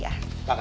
makasih angel ya